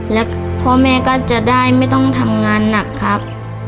และพ่อแม่ก็จะได้ไม่ต้องทำงานหนักครับ